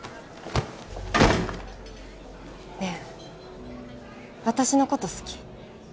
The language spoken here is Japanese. ねえ私の事好き？